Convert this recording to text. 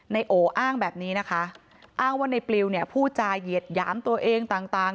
เนโอ้อ้างแบบนี้นะคะอ้างว่าเนปริวผู้จาเหยียดหยามตัวเองต่าง